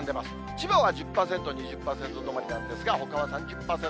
千葉は１０％、２０％止まりなんですが、ほかは３０％。